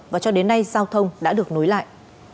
và cho đến nay giao thông đã được nối lại